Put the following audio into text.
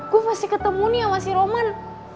gue masih ketemu nih sama si roman